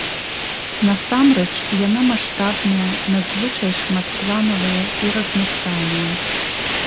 Насамрэч яна маштабная, надзвычай шматпланавая і разнастайная.